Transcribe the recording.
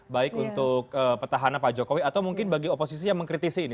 baik untuk petahana pak jokowi atau mungkin bagi oposisi yang mengkritisi ini